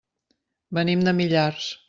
Venim de Millars.